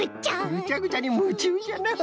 ぐちゃぐちゃにむちゅうじゃな。